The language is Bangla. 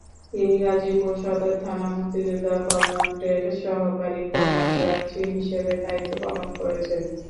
তিনি গাজীপুর সদর থানা মুক্তিযোদ্ধা কমান্ডের সহকারী কমান্ডার হিসেবে দায়িত্ব পালন করেছেন।